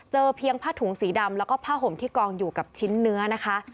เพียงผ้าถุงสีดำแล้วก็ผ้าห่มที่กองอยู่กับชิ้นเนื้อนะคะ